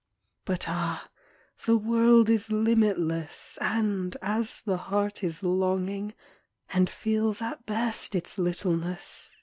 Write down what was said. But ah I the world is limidess ; And, as the heart is longing. And feels at best its littleness.